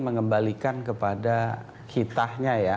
mengembalikan kepada kitanya ya